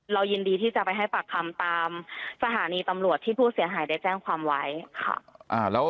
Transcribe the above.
ยินดีที่จะไปให้ปากคำตามสถานีตำรวจที่ผู้เสียหายได้แจ้งความไว้ค่ะ